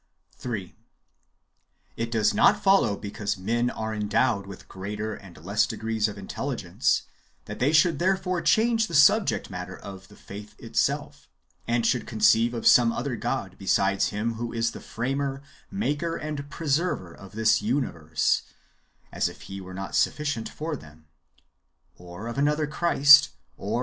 3. It does not follow because men are endowed with greater and less degrees of intelligence, that they should therefore change the subject matter [of the faith] itself, and should conceive of some other God besides Him who is the Framer, Maker, and Preserver of this universe, (as if He were not sufficient^ for them), or of another Christ, or another Only ^ Probably referring to tlie churches in Palestine.